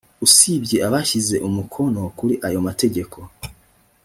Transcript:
usibye abashyize umukono kuri aya mategeko